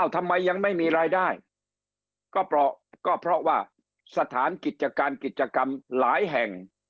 ทำไมยังไม่มีรายได้ก็เพราะก็เพราะว่าสถานกิจการกิจกรรมหลายแห่ง